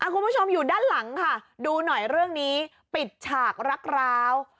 คุณผู้ชมอยู่ด้านหลังค่ะดูหน่อยเรื่องนี้ปิดฉากรักร้าว